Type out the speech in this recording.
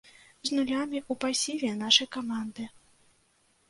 З нулямі ў пасіве нашай каманды.